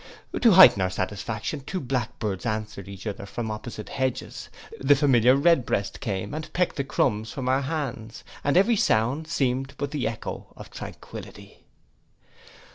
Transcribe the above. To heighten our satisfaction two blackbirds answered each other from opposite hedges, the familiar redbreast came and pecked the crumbs from our hands, and every sound seemed but the echo of tranquillity.